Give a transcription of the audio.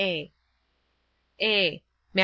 (a) (a) Matt.